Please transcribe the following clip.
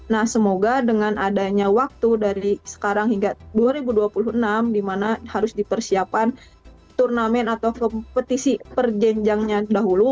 nah semoga dengan adanya waktu dari sekarang hingga dua ribu dua puluh enam di mana harus dipersiapkan turnamen atau kompetisi perjenjangnya dahulu